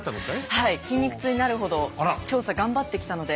はい筋肉痛になるほど調査頑張ってきたので。